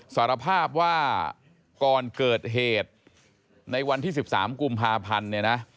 สารภาพว่าก่อนเกิดเหตุในวันที่๑๓กุมภาพันธ์เนี่ยนะ